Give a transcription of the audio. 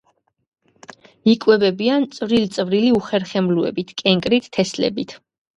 იკვებებიან წვრილ-წვრილი უხერხემლოებით, კენკრით, თესლებით.